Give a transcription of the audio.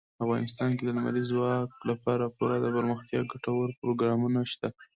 افغانستان کې د لمریز ځواک لپاره پوره دپرمختیا ګټور پروګرامونه شته دي.